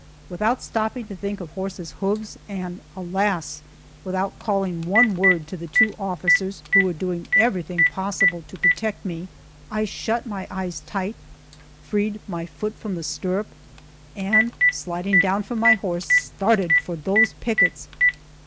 Without stopping to think of horse's hoofs and, alas! without calling one word to the two officers who were doing everything possible to protect me, I shut my eyes tight, freed my foot from the stirrup, and, sliding down from my horse, started for those pickets!